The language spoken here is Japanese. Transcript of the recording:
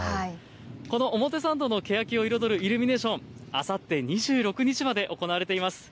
この表参道のけやきを彩るイルミネーション、あさって２６日まで行われています。